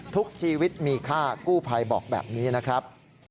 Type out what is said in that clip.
ทุกชีวิตมีค่ากู้ภัยบอกแบบนี้นะครับ